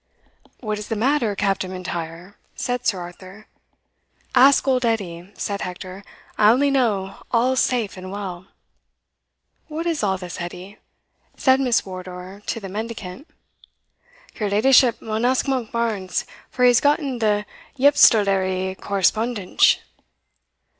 "What is the matter, Captain M'Intyre?" said Sir Arthur. "Ask old Edie," said Hector; "I only know all's safe and well." "What is all this, Edie?" said Miss Wardour to the mendicant. "Your leddyship maun ask Monkbarns, for he has gotten the yepistolary correspondensh."